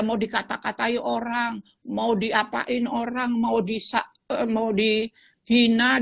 mau dikata katain orang mau diapain orang mau disakit mau dihina dihina dihina dihina dihina dihina